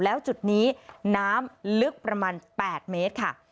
แล้วจุดนี้น้ำลึกประมาณ๘เมตรค่ะ